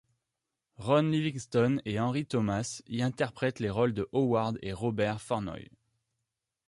Ron Livingston et Henry Thomas y interprètent les rôles de Howard et Robert Fornoy.